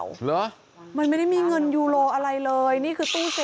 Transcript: เหรอมันไม่ได้มีเงินยูโรอะไรเลยนี่คือตู้เซ